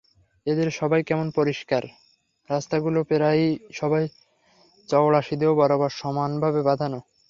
এদের সবই কেমন পরিষ্কার! রাস্তাগুলো প্রায় সবই চওড়া সিধে ও বরাবর সমানভাবে বাঁধানো।